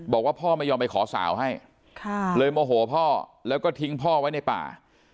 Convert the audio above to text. บอกว่าพ่อไม่ยอมไปขอสาวให้เลยโมโหพ่อแล้วก็ทิ้งพ่อไว้ในป่า